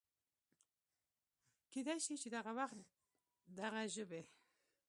کېدی شي چې دغه وخت دغه ژبې